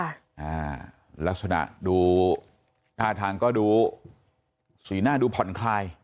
อ่าลักษณะดูท่าทางก็ดูสีหน้าดูผ่อนคลาย